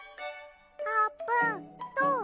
あーぷんどう？